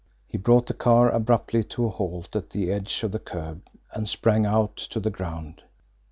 He brought the car abruptly to a halt at the edge of the curb, and sprang out to the ground.